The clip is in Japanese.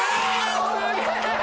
すげえ！